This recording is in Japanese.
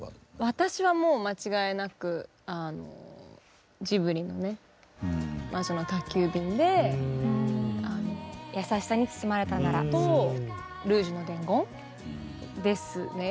私はもう間違いなくあのジブリのね「魔女の宅急便」で「やさしさに包まれたなら」と「ルージュの伝言」ですね。